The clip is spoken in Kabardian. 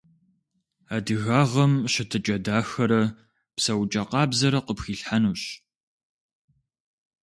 Адыгагъэм щытыкIэ дахэрэ псэукIэ къабзэрэ къыпхилъхьэнущ.